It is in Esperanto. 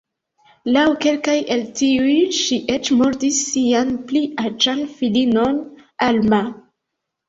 Laŭ kelkaj el tiuj ŝi eĉ murdis sian pli aĝan filinon Alma.